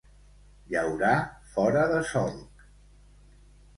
Llaurar fora de solc.